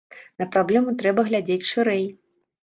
На праблему трэба глядзець шырэй.